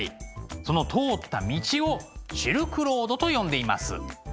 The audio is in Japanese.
その通った道をシルクロードと呼んでいます。